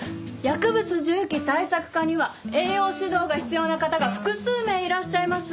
薬物銃器対策課には栄養指導が必要な方が複数名いらっしゃいます。